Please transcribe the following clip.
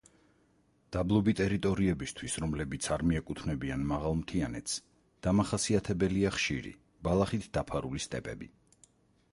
დაბლობი ტერიტორიებისთვის, რომლებიც არ მიეკუთვნებიან მაღალმთიანეთს, დამახასიათებელია ხშირი ბალახით დაფარული სტეპები.